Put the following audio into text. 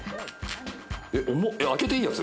開けていいやつ？